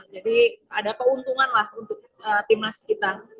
jadi ada keuntungan untuk tim nasional kita